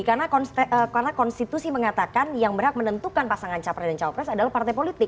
karena konstitusi mengatakan yang berhak menentukan pasangan capres dan capres adalah partai politik